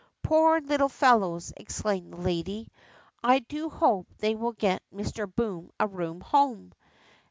'' Poor little fellows !'' exclaimed the lady, I do hope they will get Mister Boom a Room home."